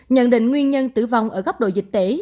nhận định nguyên nhân tử vong ở góc độ dịch covid một mươi chín